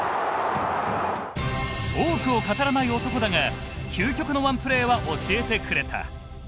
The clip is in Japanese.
多くを語らない男だが究極のワンプレーは教えてくれた。